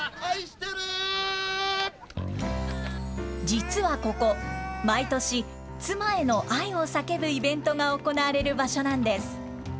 実はここ、毎年、妻への愛を叫ぶイベントが行われる場所なんです。